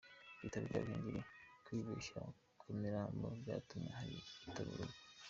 Ibitaro bya Ruhengeri: Kwibeshya ku mirambo byatumye hari utabururwa.